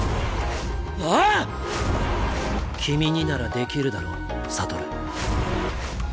ああっ⁉君にならできるだろ悟。